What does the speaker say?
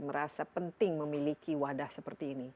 merasa penting memiliki wadah sendiri